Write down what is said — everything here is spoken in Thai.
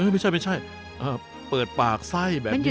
ไม่ใช่เปิดปากไส้แบบนี้